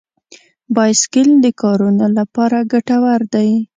بایسکل د کارونو لپاره ګټور دی.